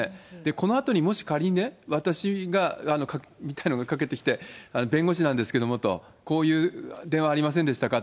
このあとにもし仮に私みたいなのが掛けてきて、弁護士なんですけどもと、こういう電話ありませんでしたか？